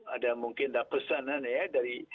ada mungkin ada pesanan ya